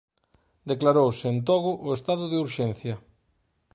Declarouse en Togo o estado de urxencia.